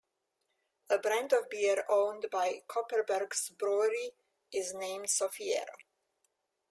A brand of beer owned by Kopparbergs Brewery is named "Sofiero".